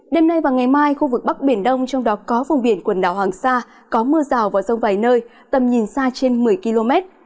đêm nay và ngày mai khu vực bắc biển đông trong đó có vùng biển quần đảo hoàng sa có mưa rào và rông vài nơi tầm nhìn xa trên một mươi km